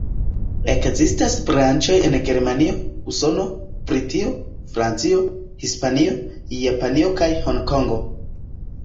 Ekzistas branĉoj en Germanio, Usono, Britio, Francio, Hispanio, Japanio kaj Honkongo.